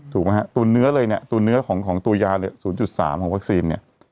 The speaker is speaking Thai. ถูกไหมฮะตัวเนื้อเลยเนี่ยตัวเนื้อของตัวยาเนี่ย๐๓ของวัคซีนเนี่ย